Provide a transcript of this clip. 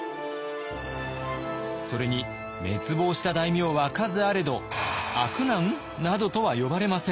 それに滅亡した大名は数あれど「悪男」などとは呼ばれません。